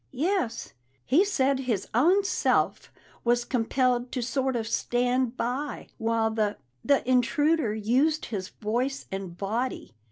"Yes. He said his own self was compelled to sort of stand by while the the intruder used his voice and body.